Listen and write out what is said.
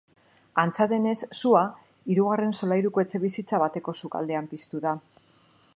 Antza denez, sua hirugarren solairuko etxebizitza bateko sukaldean piztu da.